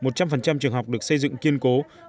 một trăm linh trường học được xây dựng kiên cố